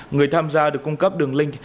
người tham gia được cung cấp đường link